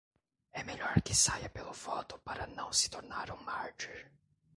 É melhor que saia pelo voto para não se tornar um mártir